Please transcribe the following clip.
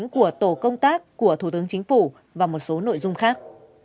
của tổ công tác của thủ tướng chính phủ và một số nội dung khác